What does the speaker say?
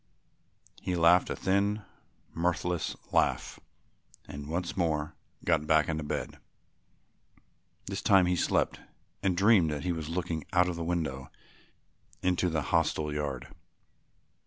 He laughed a thin mirthless laugh and once more got back into bed. This time he slept and dreamed that he was looking out of the window into the hostel yard.